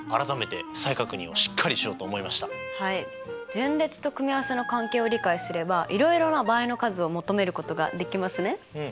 順列と組合せの関係を理解すればいろいろな場合の数を求めることができますね。